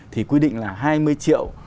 thì quy định là hai mươi triệu